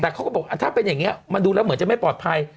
แต่เขาก็บอกถ้าเป็นอย่างนี้มันดูแล้วเหมือนจะไม่ปลอดภัย